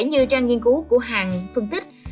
như trang nghiên cứu của hàng phân tích